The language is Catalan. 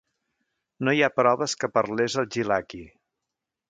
No hi ha proves que parlés el gilaki.